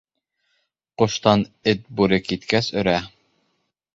Ҡуштан эт бүре киткәс өрә.